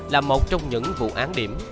là một trong những vụ án điểm